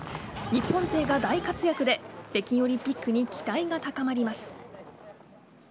日本勢が大活躍で北京オリンピックに期待が高まります。